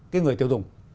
cái người tiêu dùng